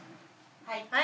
はい。